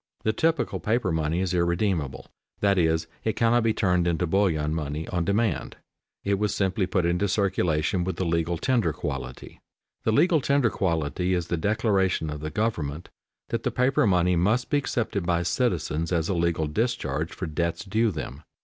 The typical paper money is irredeemable, that is, it cannot be turned into bullion money on demand. It was simply put into circulation with the legal tender quality. The "legal tender" quality is the declaration of the government that the paper money must be accepted by citizens as a legal discharge for debts due them.